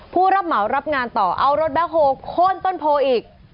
ผู้รับเหมารับงานต่อเอารถแบ็คโฮลโค้นต้นโพอีก